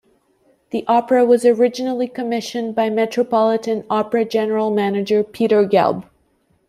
The opera was originally commissioned by Metropolitan Opera general manager Peter Gelb.